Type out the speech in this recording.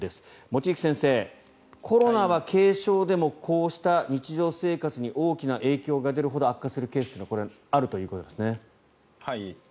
望月先生、コロナは軽症でもこうした日常生活に大きな影響が出るほど悪化するケースというのはあるということですね。